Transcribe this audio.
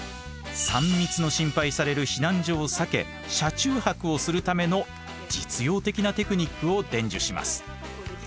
３密の心配される避難所を避け車中泊をするための実用的なテクニックを伝授します。